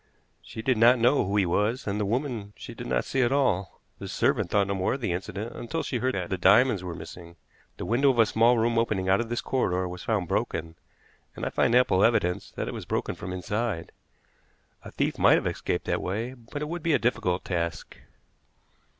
She did not know who he was, and the woman she did not see at all. The servant thought no more of the incident until she heard that the diamonds were missing. The window of a small room opening out of this corridor was found broken, and I find ample evidence that it was broken from inside. A thief might have escaped that way, but it would be a difficult task."